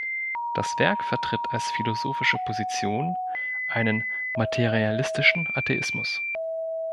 Das Werk vertritt als philosophische Position einen materialistischen Atheismus.